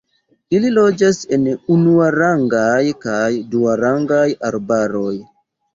Ili loĝas en unuarangaj kaj duarangaj arbaroj.